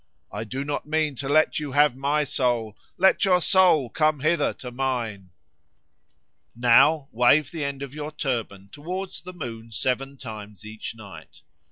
I do not mean to let you have my soul, Let your soul come hither to mine." Now wave the end of your turban towards the moon seven times each night.